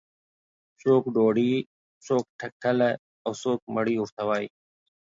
څوک ډوډۍ، څوک ټکله او څوک مړۍ ورته وایي.